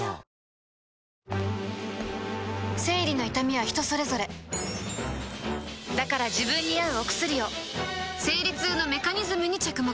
生理の痛みは人それぞれだから自分に合うお薬を生理痛のメカニズムに着目